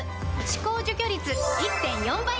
歯垢除去率 １．４ 倍！